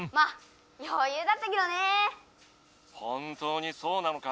本当にそうなのか？